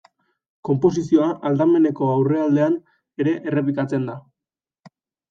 Konposizioa aldameneko aurrealdean ere errepikatzen da.